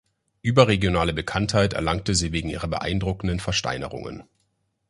Überregionale Bekanntheit erlangte sie wegen ihrer beeindruckenden Versteinerungen.